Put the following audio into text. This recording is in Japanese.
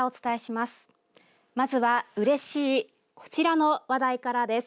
まずは、うれしいこちらの話題からです。